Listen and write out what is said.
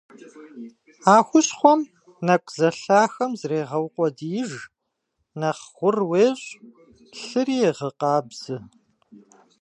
А хущхъуэм нэкӀу зэлъахэм зрегъэукъуэдииж, нэхъ гъур уещӀ, лъыри егъэкъабзэ.